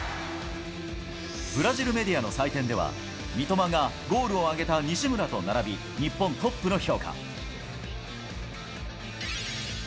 ブラジルメディアの採点では、三笘がゴールを挙げた西村と並び、日本トップの評価。